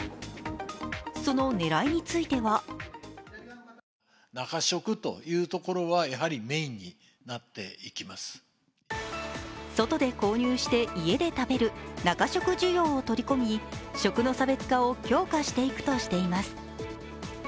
その狙いについては外で購入して家で食べる中食需要を取り込み食の差別化を強化していくとしています。